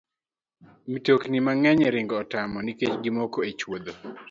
Mtokni mang'eny ringo tamo nikech gimoko e chwodho.